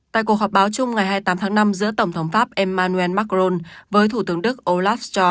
tại cuộc họp báo chung ngày hai mươi tám tháng năm giữa tổng thống pháp emmanuel macron với thủ tướng đức olaf schor